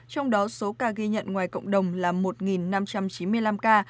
trong đó số ca ghi nhận ngoài cộng đồng là một năm trăm chín mươi năm ca